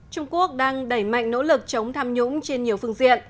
trung quốc đang đẩy mạnh nỗ lực chống tham nhũng